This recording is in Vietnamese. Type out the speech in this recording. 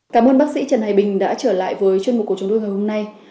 cảm ơn bác sĩ trần hải bình đã trở lại với chuyên mục của chúng tôi ngày hôm nay